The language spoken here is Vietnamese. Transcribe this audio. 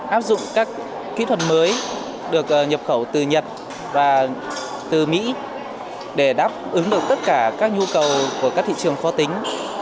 áp dụng các kỹ thuật mới được nhập khẩu từ nhật và từ mỹ để đáp ứng được tất cả các nhu cầu của các thị trường khó tính